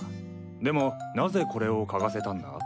でもなぜこれを嗅がせたんだ？